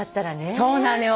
そうなのよ。